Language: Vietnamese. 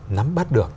nắm bắt được